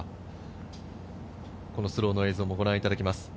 スローの映像をご覧いただきます。